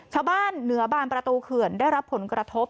เหนือบานประตูเขื่อนได้รับผลกระทบ